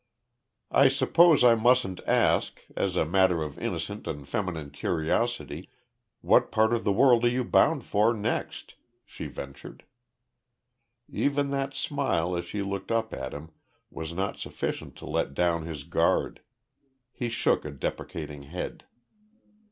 "I suppose I mustn't ask, as a matter of innocent and feminine curiosity, what part of the world you are bound for next?" she ventured. Even that smile as she looked up at him was not sufficient to let down his guard. He shook a deprecating head.